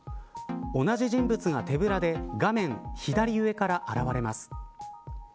同じ人物が手ぶらで画面左上から現れます。